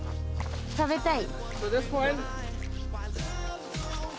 食べたい？